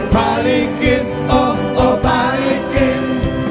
balikin oh oh balikin